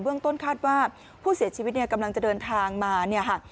ต้นคาดว่าผู้เสียชีวิตเนี่ยกำลังจะเดินทางมาเนี่ยค่ะ